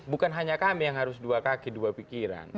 bukan hanya kami yang harus dua kaki dua pikiran